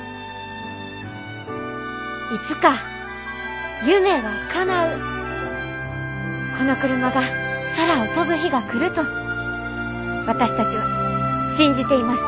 いつか夢はかなうこのクルマが空を飛ぶ日が来ると私たちは信じています。